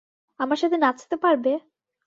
আমার সাথে নাচতে পারবে?